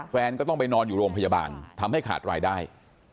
แฟนก็ต้องไปนอนอยู่โรงพยาบาลทำให้ขาดรายได้